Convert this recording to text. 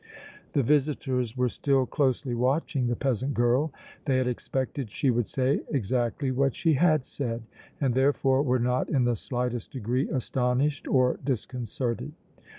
The visitors were still closely watching the peasant girl. They had expected she would say exactly what she had said and, therefore, were not in the slightest degree astonished or disconcerted.